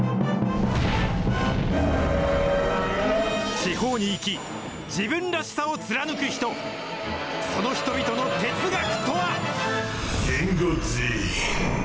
地方に生き、自分らしさを貫く人、その人々の哲学とは？